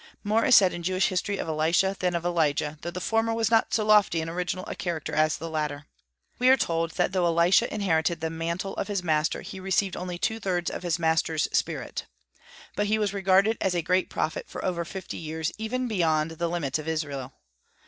More is said in Jewish history of Elisha than of Elijah, though the former was not so lofty and original a character as the latter. We are told that though Elisha inherited the mantle of his master, he received only two thirds of his master's spirit. But he was regarded as a great prophet for over fifty years, even beyond the limits of Israel.